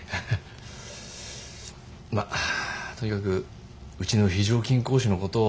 まあとにかくうちの非常勤講師のことを。